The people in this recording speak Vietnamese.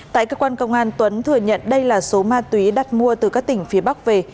tại cơ quan công an tuấn thừa nhận đây là số ma túy đặt mua từ các tỉnh phía bắc về